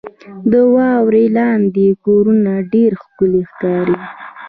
• د واورې لاندې کورونه ډېر ښکلي ښکاري.